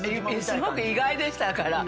すごく意外でしたから。